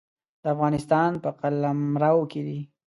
د افغانستان په قلمرو کې دی.